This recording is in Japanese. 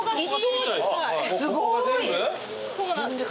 そうなんです。